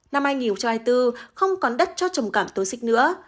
nam em nhiều cho ai tư không còn đất cho trầm cảm tối xích nữa